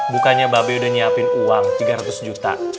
bukannya mbak be udah nyiapin uang tiga ratus juta